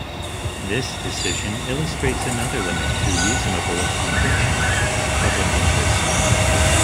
This decision illustrates another limit to reasonable accommodation: public interest.